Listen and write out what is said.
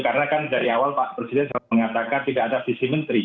karena kan dari awal pak presiden mengatakan tidak ada visi menteri